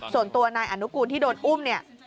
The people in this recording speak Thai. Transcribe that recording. ส่วนตัวนายอนุกูลที่โดนอุ้มเนี่ย